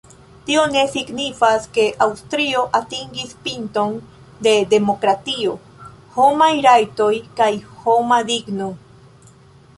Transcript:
Tio ne signifas, ke Aŭstrio atingis pinton de demokratio, homaj rajtoj kaj homa digno.